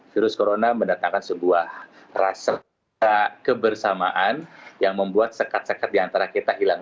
virus corona mendatangkan sebuah rasa kebersamaan yang membuat sekat sekat diantara kita hilang